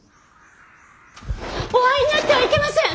お会いになってはいけません！